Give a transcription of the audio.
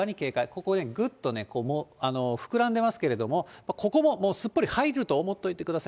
ここ、ぐっと膨らんでますけども、ここももう、すっぽり入ると思っておいてください。